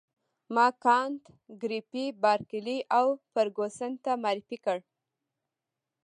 ما کانت ګریفي بارکلي او فرګوسن ته معرفي کړ.